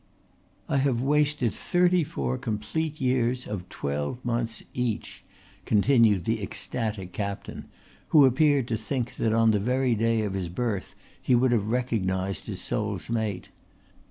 "I have wasted thirty four complete years of twelve months each," continued the ecstatic Captain, who appeared to think that on the very day of his birth he would have recognised his soul's mate.